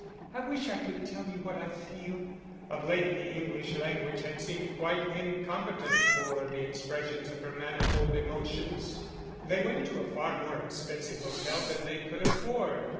I wish I could tell you what I feel." Of late the English language had seemed quite incompetent for the expression of her manifold emotions. They went to a far more expensive hotel than they could afford.